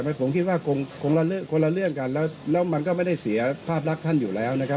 ผมคิดว่าคงละเรื่องกันแล้วมันก็ไม่ได้เสียภาพลักษณ์ท่านอยู่แล้วนะครับ